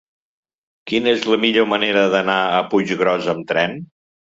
Quina és la millor manera d'anar a Puiggròs amb tren?